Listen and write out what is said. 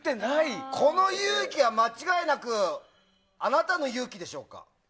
このゆうきは、間違いなくあなたのゆうきでしょうか。